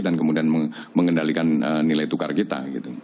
dan kemudian mengendalikan nilai tukar kita